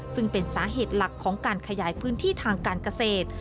ซึ่งเป็นสาเหตุหลักของการขยายพื้นที่ทางการเกษตร